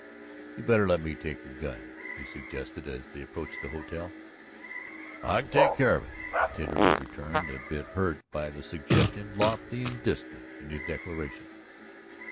"You'd better let me take your gun," he suggested as they approached the hotel. "I can take care of it," Taterleg returned, a bit hurt by the suggestion, lofty and distant in his declaration.